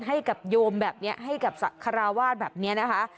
ให้กับโยมแบบนี้ให้กับสัครวาลแบบนี้นะคะ